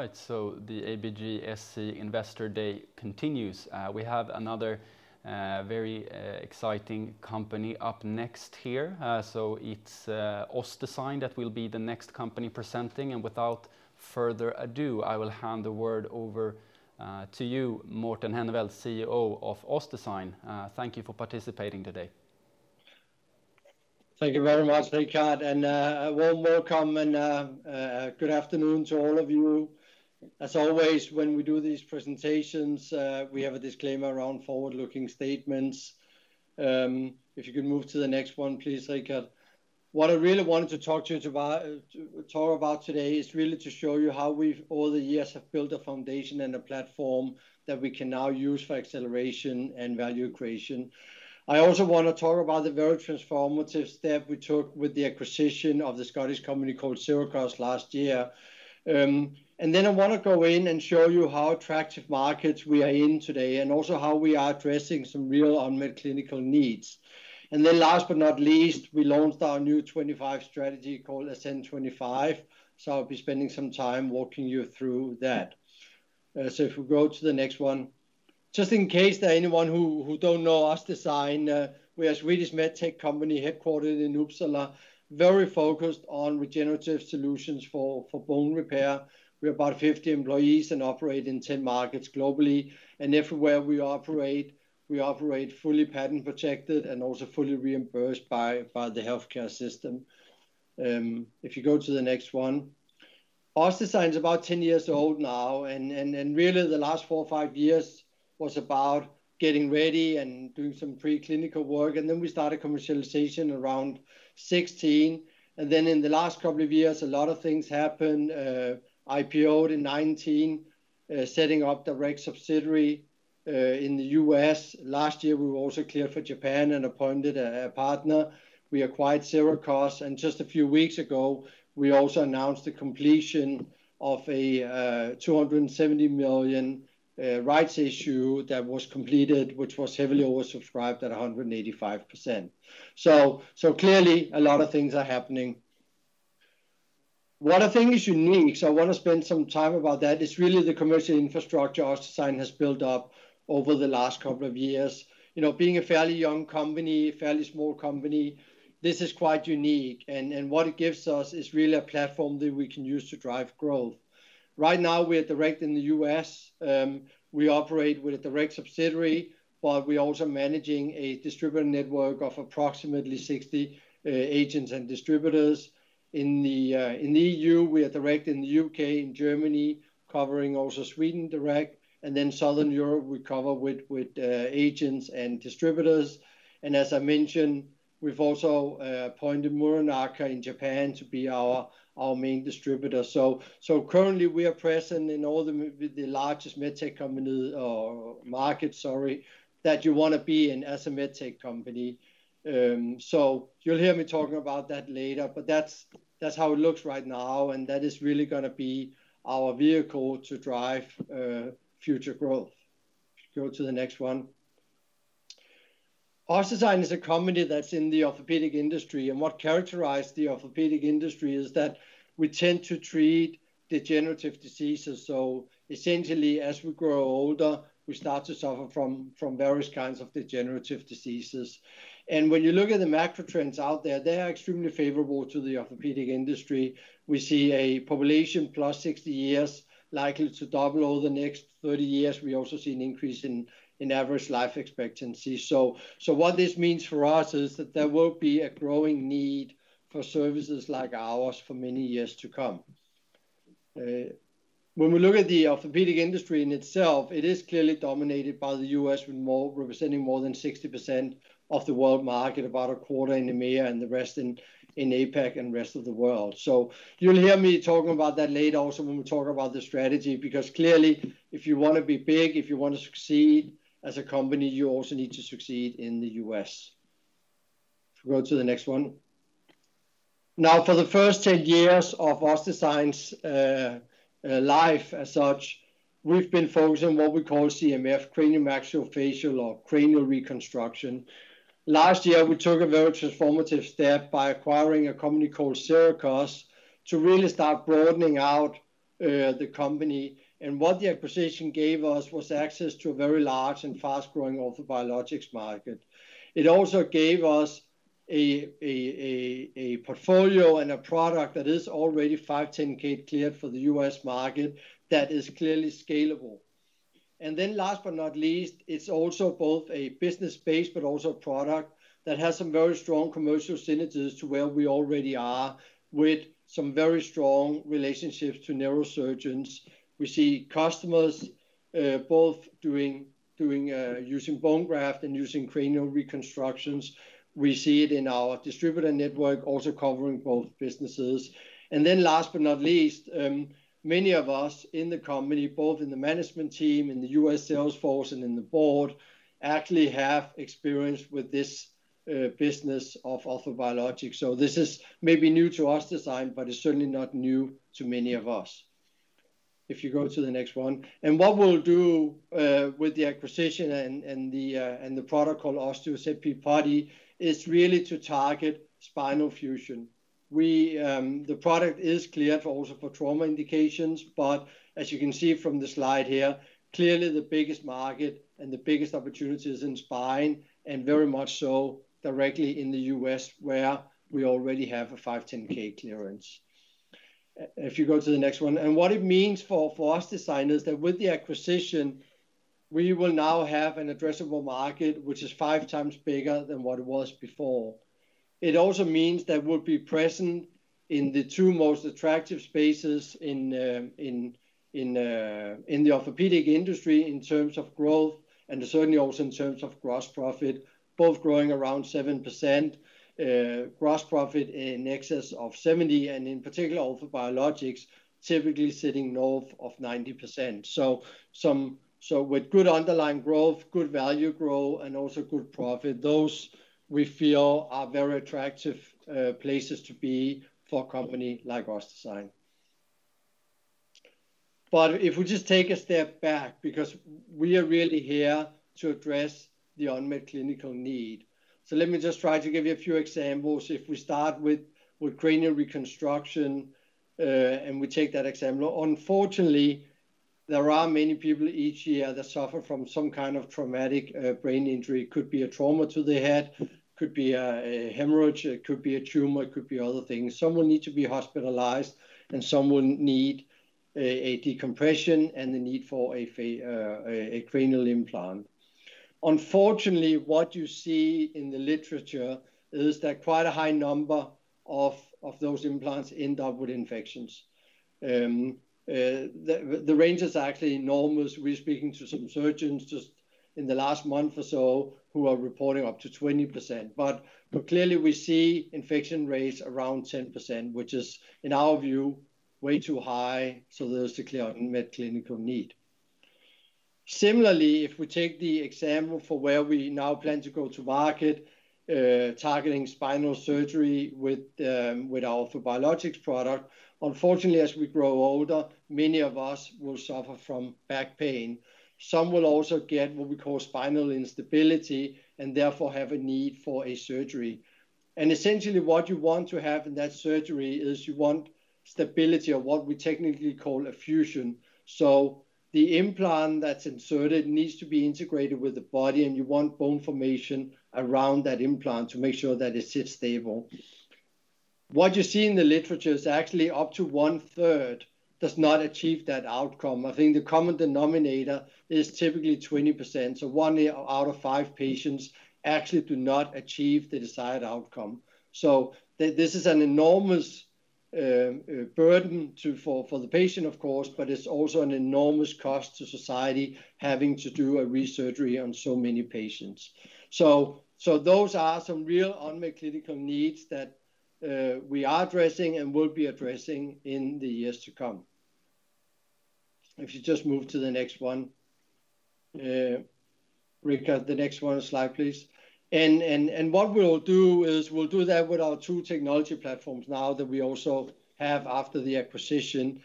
All right, so the ABGSC Investor Day continues. We have another very exciting company up next here. So it's OssDsign that will be the next company presenting. And without further ado, I will hand the word over to you, Morten Henneveld, CEO of OssDsign. Thank you for participating today. Thank you very much, Rikard, and a warm welcome and a good afternoon to all of you. As always, when we do these presentations, we have a disclaimer around forward-looking statements. If you could move to the next one, please, Rikard. What I really wanted to talk to you about today is really to show you how we've, over the years, built a foundation and a platform that we can now use for acceleration and value creation. I also want to talk about the very transformative step we took with the acquisition of the Scottish company called Sirakoss last year, and then I want to go in and show you how attractive markets we are in today and also how we are addressing some real unmet clinical needs, and then last but not least, we launched our new 2025 strategy called Ascend25. So I'll be spending some time walking you through that. So if we go to the next one, just in case there are anyone who don't know OssDsign, we are a Swedish medtech company headquartered in Uppsala, very focused on regenerative solutions for bone repair. We're about 50 employees and operate in 10 markets globally. And everywhere we operate, we operate fully patent protected and also fully reimbursed by the healthcare system. If you go to the next one, OssDsign is about 10 years old now. And really, the last four or five years was about getting ready and doing some preclinical work. And then we started commercialization around 2016. And then in the last couple of years, a lot of things happened. IPO'd in 2019, setting up the reg subsidiary in the U.S. Last year, we were also cleared for Japan and appointed a partner. We acquired Sirakoss. Just a few weeks ago, we also announced the completion of a 270 million rights issue that was completed, which was heavily oversubscribed at 185%. Clearly, a lot of things are happening. What I think is unique, so I want to spend some time about that, is really the commercial infrastructure OssDsign has built up over the last couple of years. Being a fairly young company, a fairly small company, this is quite unique. What it gives us is really a platform that we can use to drive growth. Right now, we are direct in the U.S. We operate with a direct subsidiary, but we're also managing a distributor network of approximately 60 agents and distributors. In the EU, we are direct in the U.K., in Germany, covering also Sweden direct. Then southern Europe, we cover with agents and distributors. As I mentioned, we've also appointed Muranaka in Japan to be our main distributor. So currently, we are present in all the largest medtech company markets that you want to be in as a medtech company. So you'll hear me talking about that later, but that's how it looks right now. And that is really going to be our vehicle to drive future growth. Go to the next one. OssDsign is a company that's in the orthopedic industry. And what characterized the orthopedic industry is that we tend to treat degenerative diseases. So essentially, as we grow older, we start to suffer from various kinds of degenerative diseases. And when you look at the macro trends out there, they are extremely favorable to the orthopedic industry. We see a population plus 60 years likely to double over the next 30 years. We also see an increase in average life expectancy. So what this means for us is that there will be a growing need for services like ours for many years to come. When we look at the orthopedic industry in itself, it is clearly dominated by the U.S., representing more than 60% of the world market, about a quarter in EMEA and the rest in APAC and rest of the world. So you'll hear me talking about that later also when we talk about the strategy, because clearly, if you want to be big, if you want to succeed as a company, you also need to succeed in the U.S. Go to the next one. Now, for the first 10 years of OssDsign's life as such, we've been focusing on what we call CMF, cranio-maxillofacial or cranial reconstruction. Last year, we took a very transformative step by acquiring a company called Sirakoss to really start broadening out the company. And what the acquisition gave us was access to a very large and fast-growing orthobiologics market. It also gave us a portfolio and a product that is already 510(k) cleared for the U.S. market that is clearly scalable. And then last but not least, it's also both a business space, but also a product that has some very strong commercial synergies to where we already are with some very strong relationships to neurosurgeons. We see customers both using bone graft and using cranial reconstructions. We see it in our distributor network, also covering both businesses. And then last but not least, many of us in the company, both in the management team, in the U.S. salesforce, and in the board, actually have experience with this business of orthobiologics. This is maybe new to OssDsign, but it's certainly not new to many of us. If you go to the next one. And what we'll do with the acquisition and the product called Osteo3 ZP is really to target spinal fusion. The product is cleared also for trauma indications, but as you can see from the slide here, clearly the biggest market and the biggest opportunity is in spine, and very much so directly in the U.S., where we already have a 510(k) clearance. If you go to the next one. And what it means for OssDsign is that with the acquisition, we will now have an addressable market, which is five times bigger than what it was before. It also means that we'll be present in the two most attractive spaces in the orthopedic industry in terms of growth and certainly also in terms of gross profit, both growing around 7%, gross profit in excess of 70%, and in particular, orthobiologics typically sitting north of 90%. So with good underlying growth, good value growth, and also good profit, those we feel are very attractive places to be for a company like OssDsign. But if we just take a step back, because we are really here to address the unmet clinical need. So let me just try to give you a few examples. If we start with cranial reconstruction and we take that example, unfortunately, there are many people each year that suffer from some kind of traumatic brain injury. It could be a trauma to the head, could be a hemorrhage, it could be a tumor, it could be other things. Some will need to be hospitalized, and some will need a decompression and the need for a cranial implant. Unfortunately, what you see in the literature is that quite a high number of those implants end up with infections. The range is actually enormous. We're speaking to some surgeons just in the last month or so who are reporting up to 20%. But clearly, we see infection rates around 10%, which is, in our view, way too high. So there's clear unmet clinical need. Similarly, if we take the example for where we now plan to go to market targeting spinal surgery with our orthobiologics product, unfortunately, as we grow older, many of us will suffer from back pain. Some will also get what we call spinal instability and therefore have a need for a surgery. And essentially, what you want to have in that surgery is you want stability of what we technically call a fusion. So the implant that's inserted needs to be integrated with the body, and you want bone formation around that implant to make sure that it sits stable. What you see in the literature is actually up to one-third does not achieve that outcome. I think the common denominator is typically 20%. So one out of five patients actually do not achieve the desired outcome. So this is an enormous burden for the patient, of course, but it's also an enormous cost to society having to do a resurgery on so many patients. Those are some real unmet clinical needs that we are addressing and will be addressing in the years to come. If you just move to the next slide, Rikard, please. And what we'll do is we'll do that with our two technology platforms now that we also have after the acquisition.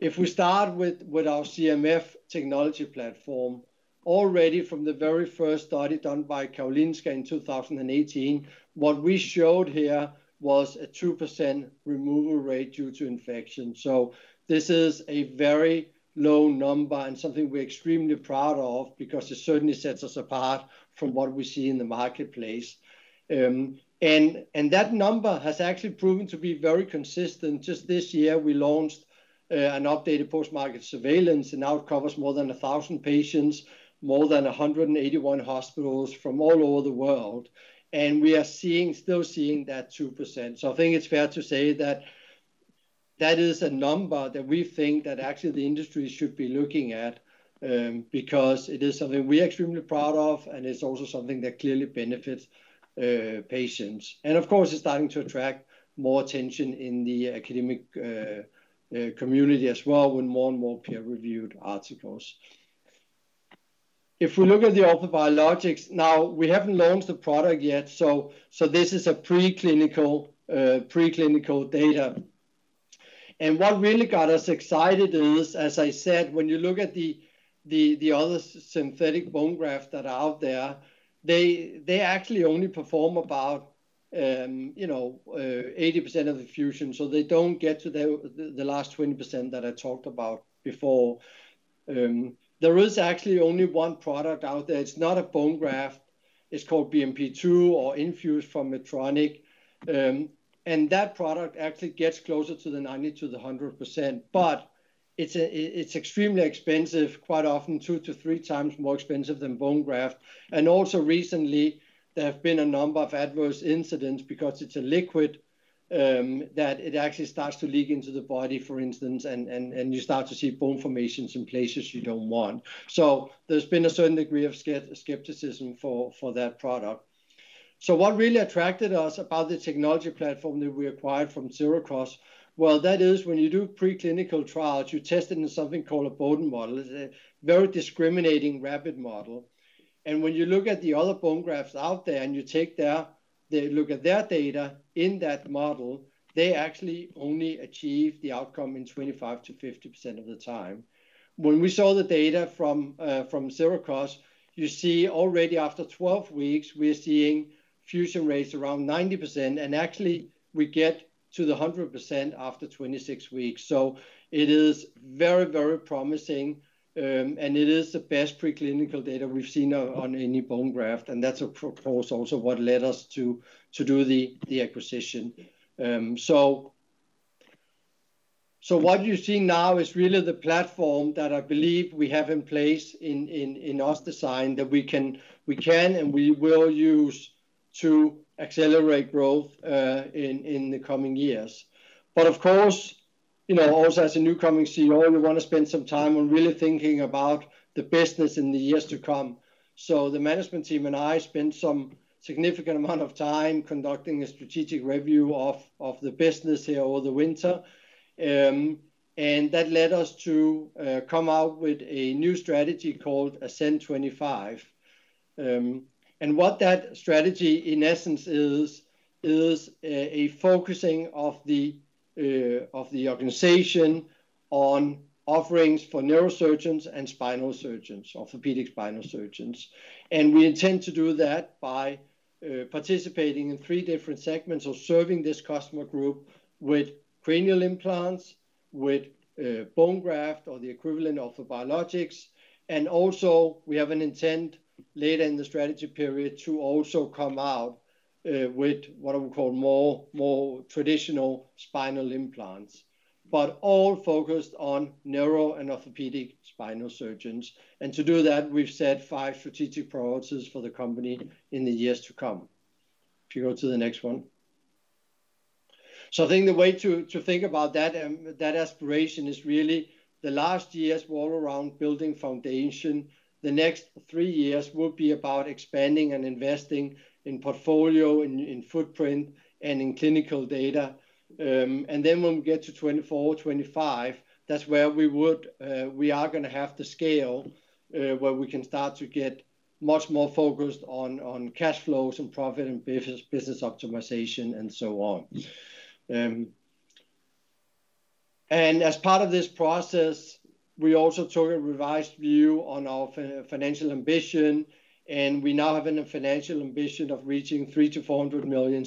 If we start with our CMF technology platform, already from the very first study done by Karolinska in 2018, what we showed here was a 2% removal rate due to infection. So this is a very low number and something we're extremely proud of because it certainly sets us apart from what we see in the marketplace. And that number has actually proven to be very consistent. Just this year, we launched an updated post-market surveillance, and now it covers more than 1,000 patients, more than 181 hospitals from all over the world. And we are still seeing that 2%. So I think it's fair to say that that is a number that we think that actually the industry should be looking at because it is something we're extremely proud of, and it's also something that clearly benefits patients. And of course, it's starting to attract more attention in the academic community as well with more and more peer-reviewed articles. If we look at the orthobiologics, now we haven't launched the product yet. So this is preclinical data. And what really got us excited is, as I said, when you look at the other synthetic bone grafts that are out there, they actually only perform about 80% of the fusion. So they don't get to the last 20% that I talked about before. There is actually only one product out there. It's not a bone graft. It's called BMP-2 or Infuse from Medtronic. That product actually gets closer to the 90%-100%. But it's extremely expensive, quite often two to three times more expensive than bone graft. And also recently, there have been a number of adverse incidents because it's a liquid that it actually starts to leak into the body, for instance, and you start to see bone formations in places you don't want. So there's been a certain degree of skepticism for that product. So what really attracted us about the technology platform that we acquired from Sirakoss, well, that is when you do Preclinical Trials, you test it in something called a Boden model. It's a very discriminating rabbit model. And when you look at the other bone grafts out there and you look at their data in that model, they actually only achieve the outcome in 25%-50% of the time. When we saw the data from Sirakoss, you see already after 12 weeks, we're seeing fusion rates around 90%, and actually, we get to the 100% after 26 weeks. So it is very, very promising, and it is the best preclinical data we've seen on any bone graft. And that's, of course, also what led us to do the acquisition. So what you're seeing now is really the platform that I believe we have in place in OssDsign that we can and we will use to accelerate growth in the coming years. But of course, also as an incoming CEO, you want to spend some time on really thinking about the business in the years to come. So the management team and I spent some significant amount of time conducting a strategic review of the business here over the winter. That led us to come out with a new strategy called Ascend25. And what that strategy, in essence, is a focusing of the organization on offerings for neurosurgeons and orthopedic spinal surgeons. And we intend to do that by participating in three different segments of serving this customer group with cranial implants, with bone graft, or the equivalent of orthobiologics. And also, we have an intent later in the strategy period to also come out with what we call more traditional spinal implants, but all focused on neuro and orthopedic spinal surgeons. And to do that, we've set five strategic priorities for the company in the years to come. If you go to the next one. I think the way to think about that aspiration is really the last year's goal around building foundation. The next three years will be about expanding and investing in portfolio, in footprint, and in clinical data. And then when we get to 2024, 2025, that's where we are going to have the scale where we can start to get much more focused on cash flows and profit and business optimization and so on. And as part of this process, we also took a revised view on our financial ambition. And we now have a financial ambition of reaching 300-400 million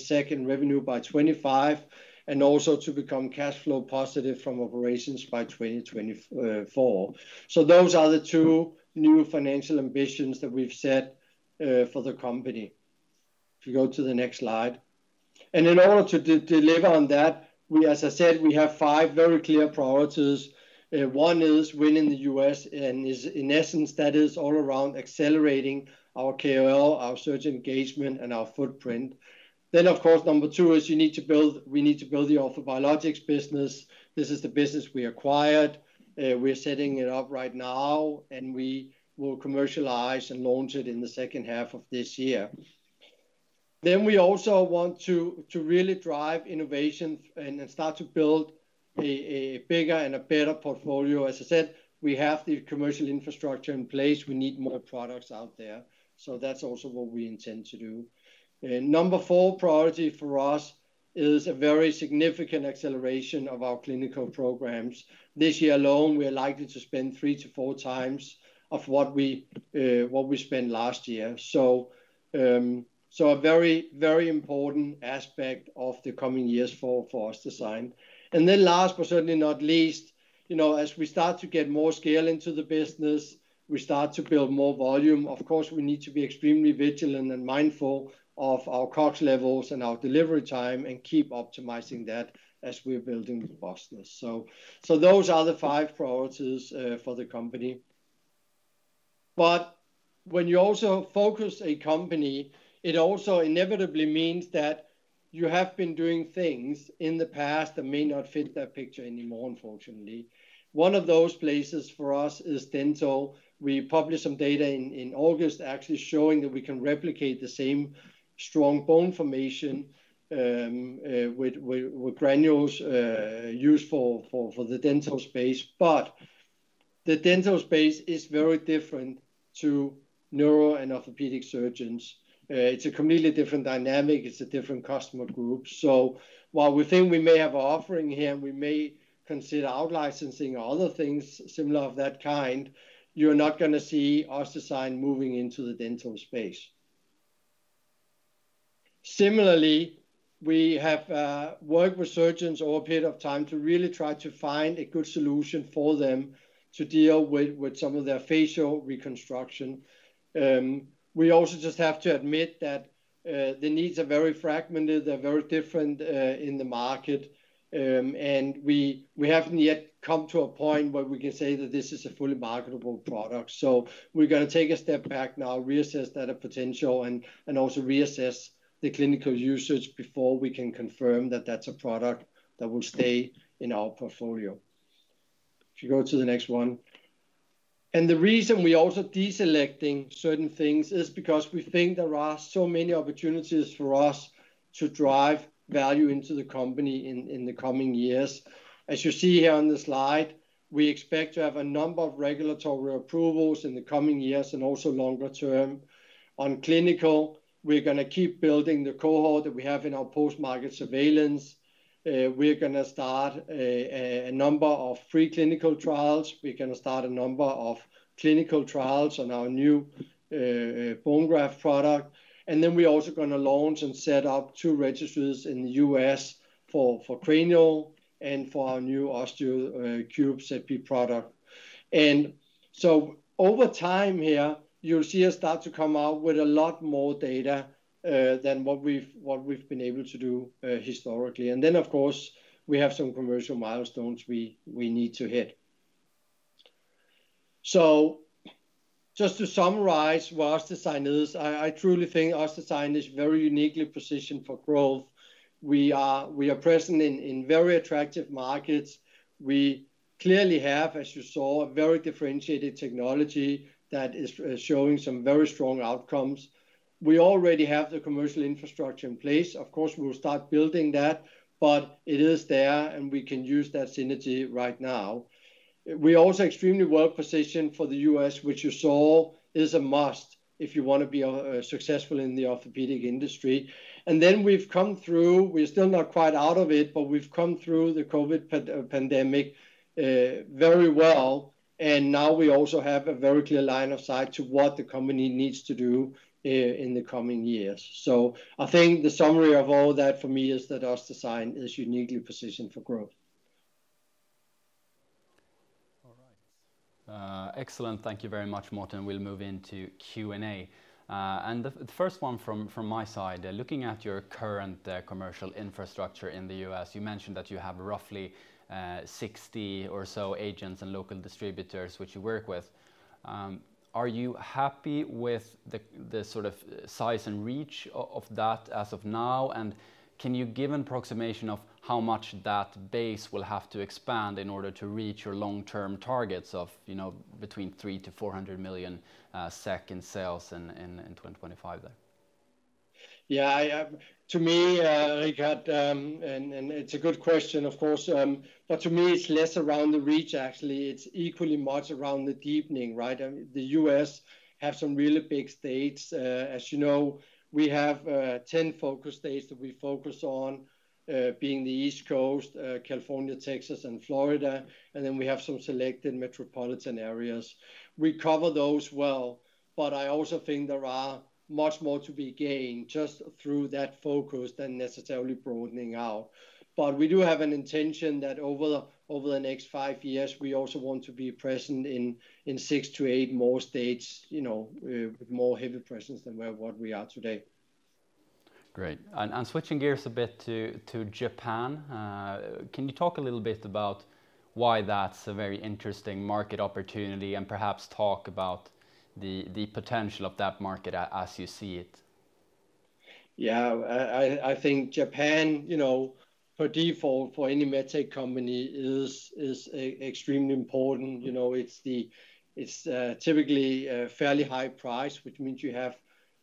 revenue by 2025 and also to become cash flow positive from operations by 2024. So those are the two new financial ambitions that we've set for the company. If you go to the next slide. And in order to deliver on that, as I said, we have five very clear priorities. One is winning in the U.S., and in essence, that is all around accelerating our KOL, our surgeon engagement, and our footprint. Then, of course, number two is we need to build the orthobiologics business. This is the business we acquired. We're setting it up right now, and we will commercialize and launch it in the second half of this year. Then we also want to really drive innovation and start to build a bigger and a better portfolio. As I said, we have the commercial infrastructure in place. We need more products out there. So that's also what we intend to do. Number four priority for us is a very significant acceleration of our clinical programs. This year alone, we are likely to spend three-to-four times of what we spent last year. So a very, very important aspect of the coming years for OssDsign. And then last, but certainly not least, as we start to get more scale into the business, we start to build more volume. Of course, we need to be extremely vigilant and mindful of our COGS levels and our delivery time and keep optimizing that as we're building robustness. So those are the five priorities for the company. But when you also focus a company, it also inevitably means that you have been doing things in the past that may not fit that picture anymore, unfortunately. One of those places for us is Dental. We published some data in August actually showing that we can replicate the same strong bone formation with granules used for the dental space. But the dental space is very different to neuro and orthopedic surgeons. It's a completely different dynamic. It's a different customer group. So while we think we may have an offering here and we may consider outlicensing or other things similar of that kind, you're not going to see OssDsign moving into the dental space. Similarly, we have worked with surgeons all period of time to really try to find a good solution for them to deal with some of their facial reconstruction. We also just have to admit that the needs are very fragmented. They're very different in the market. And we haven't yet come to a point where we can say that this is a fully marketable product. So we're going to take a step back now, reassess that potential, and also reassess the clinical usage before we can confirm that that's a product that will stay in our portfolio. If you go to the next one. And the reason we're also deselecting certain things is because we think there are so many opportunities for us to drive value into the company in the coming years. As you see here on the slide, we expect to have a number of regulatory approvals in the coming years and also longer term. On clinical, we're going to keep building the cohort that we have in our post-market surveillance. We're going to start a number of Preclinical Trials. We're going to start a number of Clinical Trials on our new bone graft product. And then we're also going to launch and set up two registries in the U.S. for cranial and for our new Osteo3 ZP product. And so over time here, you'll see us start to come out with a lot more data than what we've been able to do historically. And then, of course, we have some commercial milestones we need to hit. So just to summarize what OssDsign is, I truly think OssDsign is very uniquely positioned for growth. We are present in very attractive markets. We clearly have, as you saw, a very differentiated technology that is showing some very strong outcomes. We already have the commercial infrastructure in place. Of course, we'll start building that, but it is there, and we can use that synergy right now. We're also extremely well positioned for the U.S., which you saw is a must if you want to be successful in the orthopedic industry. And then we've come through, we're still not quite out of it, but we've come through the COVID pandemic very well. And now we also have a very clear line of sight to what the company needs to do in the coming years. So I think the summary of all that for me is that OssDsign is uniquely positioned for growth. All right. Excellent. Thank you very much, Morten. We'll move into Q&A. And the first one from my side, looking at your current commercial infrastructure in the U.S., you mentioned that you have roughly 60 or so agents and local distributors which you work with. Are you happy with the sort of size and reach of that as of now? And can you give an approximation of how much that base will have to expand in order to reach your long-term targets of between three to 400 million SEK sales in 2025 there? Yeah. To me, Rikard, and it's a good question, of course. But to me, it's less around the reach, actually. It's equally much around the deepening, right? The U.S. has some really big states. As you know, we have 10 focus states that we focus on, being the East Coast, California, Texas, and Florida. And then we have some selected metropolitan areas. We cover those well. But I also think there are much more to be gained just through that focus than necessarily broadening out. But we do have an intention that over the next five years, we also want to be present in six to eight more states with more heavy presence than what we are today. Great. And switching gears a bit to Japan, can you talk a little bit about why that's a very interesting market opportunity and perhaps talk about the potential of that market as you see it? Yeah. I think Japan, by default, for any medtech company, is extremely important. It's typically a fairly high price, which means you have,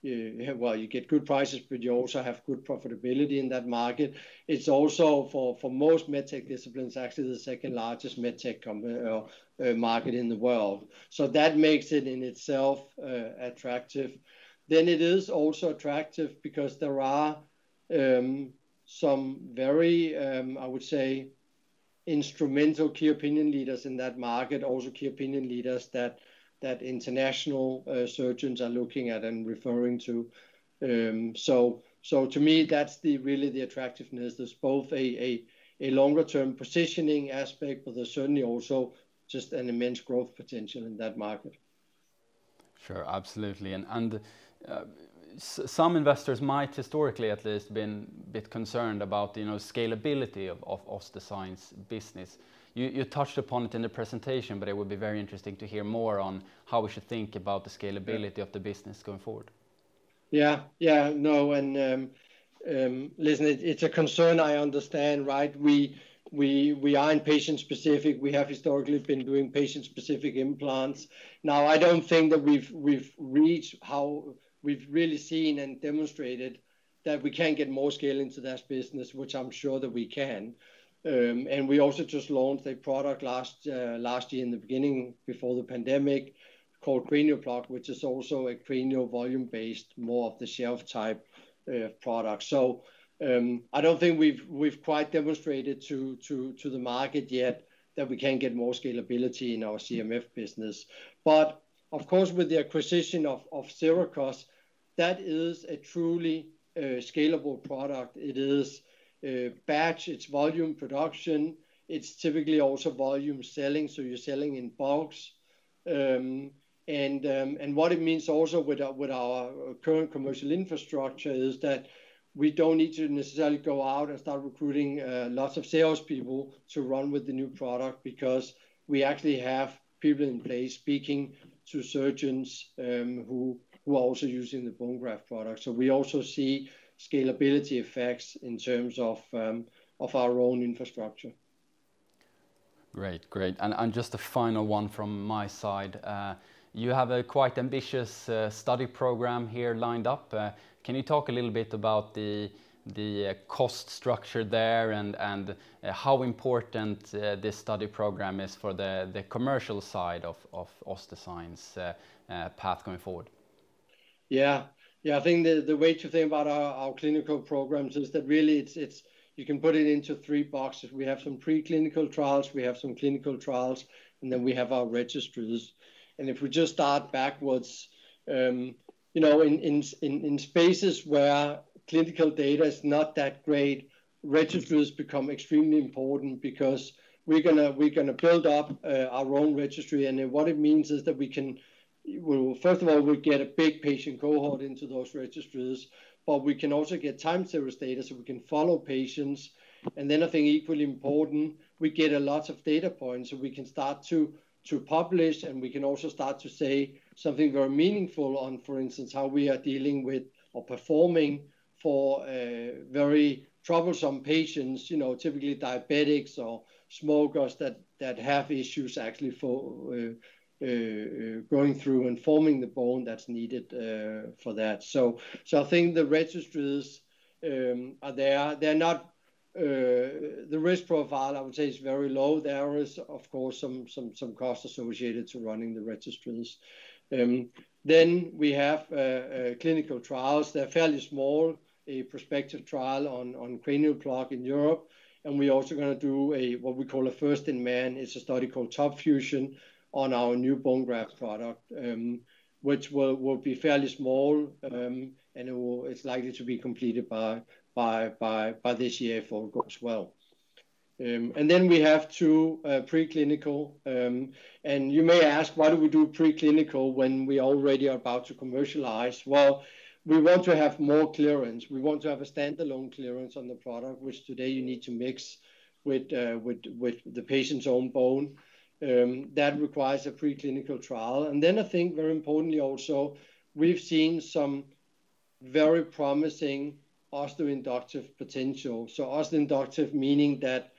well, you get good prices, but you also have good profitability in that market. It's also, for most medtech disciplines, actually the second largest medtech market in the world. So that makes it in itself attractive. Then it is also attractive because there are some very, I would say, instrumental key opinion leaders in that market, also key opinion leaders that international surgeons are looking at and referring to. So to me, that's really the attractiveness. There's both a longer-term positioning aspect, but there's certainly also just an immense growth potential in that market. Sure. Absolutely. And some investors might, historically at least, have been a bit concerned about the scalability of OssDsign's business. You touched upon it in the presentation, but it would be very interesting to hear more on how we should think about the scalability of the business going forward. Yeah. Yeah. No. And listen, it's a concern I understand, right? We are in patient-specific. We have historically been doing patient-specific implants. Now, I don't think that we've reached how we've really seen and demonstrated that we can get more scale into that business, which I'm sure that we can. And we also just launched a product last year in the beginning before the pandemic called Cranial Plug, which is also a cranial volume-based, more of the shelf-type product. So I don't think we've quite demonstrated to the market yet that we can get more scalability in our CMF business. But of course, with the acquisition of Sirakoss, that is a truly scalable product. It is batch, it's volume production. It's typically also volume selling. So you're selling in bulks. And what it means also with our current commercial infrastructure is that we don't need to necessarily go out and start recruiting lots of salespeople to run with the new product because we actually have people in place speaking to surgeons who are also using the bone graft product. So we also see scalability effects in terms of our own infrastructure. Great. Great. And just a final one from my side. You have a quite ambitious study program here lined up. Can you talk a little bit about the cost structure there and how important this study program is for the commercial side of OssDsign's path going forward? Yeah. Yeah. I think the way to think about our clinical programs is that really you can put it into three boxes. We have some Preclinical Trials. We have some Clinical Trials. And then we have our Registries. And if we just start backwards, in spaces where clinical data is not that great, Registries become extremely important because we're going to build up our own Registry. And what it means is that we can, first of all, we get a big patient cohort into those Registries, but we can also get time series data so we can follow patients. And then I think equally important, we get a lot of data points so we can start to publish, and we can also start to say something very meaningful on, for instance, how we are dealing with or performing for very troublesome patients, typically diabetics or smokers that have issues actually going through and forming the bone that's needed for that. So I think the Registries are there. The risk profile, I would say, is very low. There is, of course, some cost associated to running the Registries. Then we have Clinical Trials. They're fairly small, a Prospective Trial on Cranial Plug in Europe. And we're also going to do what we call a first-in-man. It's a study called TOP FUSION on our new bone graft product, which will be fairly small, and it's likely to be completed by this year if all goes well. And then we have two preclinical. You may ask, why do we do preclinical when we already are about to commercialize? Well, we want to have more clearance. We want to have a standalone clearance on the product, which today you need to mix with the patient's own bone. That requires a Preclinical Trial, and then I think very importantly also, we've seen some very promising osteoinductive potential. So, osteoinductive, meaning that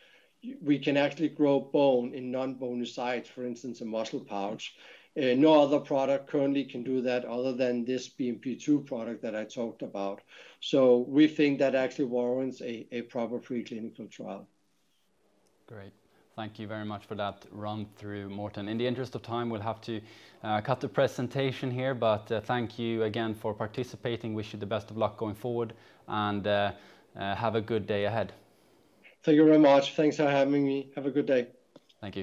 we can actually grow bone in non-bony sites, for instance, a muscle pouch. No other product currently can do that other than this BMP-2 product that I talked about, so we think that actually warrants a proper Preclinical Trial. Great. Thank you very much for that run-through, Morten. In the interest of time, we'll have to cut the presentation here. But thank you again for participating. Wish you the best of luck going forward and have a good day ahead. Thank you very much. Thanks for having me. Have a good day. Thank you.